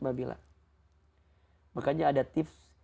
makanya ada tips